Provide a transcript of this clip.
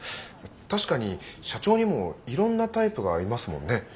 確かに社長にもいろんなタイプがいますもんね。